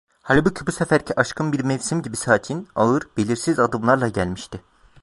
Halbuki bu seferki aşkım bir mevsim gibi sakin, ağır, belirsiz adımlarla gelmişti.